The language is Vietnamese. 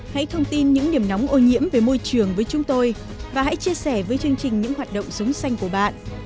hãy thông tin những điểm nóng ô nhiễm về môi trường với chúng tôi và hãy chia sẻ với chương trình những hoạt động sống xanh của bạn